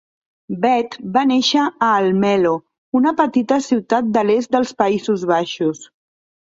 Beth va néixer a Almelo, una petita ciutat de l'est dels Països Baixos.